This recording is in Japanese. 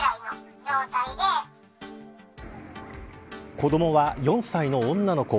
子どもは、４歳の女の子。